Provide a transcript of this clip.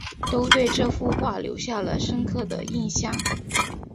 都对这幅画留下了深刻的印象